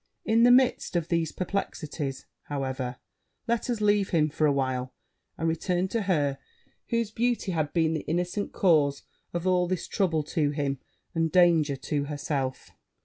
In the midst of these perplexities, however, let us leave him for a while, and return to her whose beauty had been the innocent cause of all this trouble to him, and danger to herself.